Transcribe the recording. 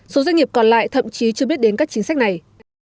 số doanh nghiệp còn lại thậm chí chưa biết đến các chính sách này